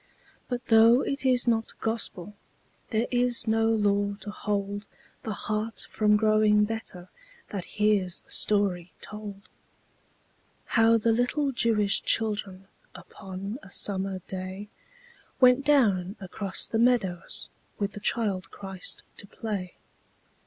But though it is not Gospel, There is no law to hold The heart from growing better That hears the story told: How the little Jewish children Upon a summer day, Went down across the meadows With the Child Christ to play.